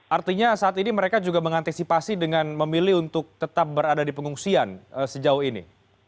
artinya saat ini mereka juga mengantisipasi dengan memilih untuk tetap berada di pengungsian sejauh ini